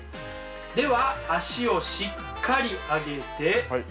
では足をしっかり上げて。